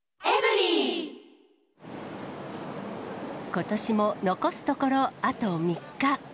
ことしも残すところあと３日。